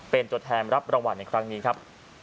เป็นตัวแทนรับรางวัลในครั้งนี้ครับ